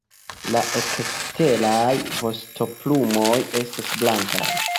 La eksteraj vostoplumoj estas blankaj.